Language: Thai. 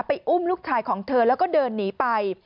อุ้มลูกชายของเธอแล้วก็เดินหนีไป